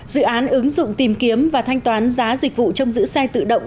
dự án ứng dụng tìm kiếm và thanh toán giá dịch vụ trong giữ xe tự động